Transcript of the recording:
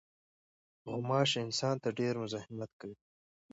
غوماشې انسان ته ډېر مزاحمت کوي.